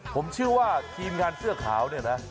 ผมเชื่อว่าทีมงานเสื้อขาวเนี่ยนะ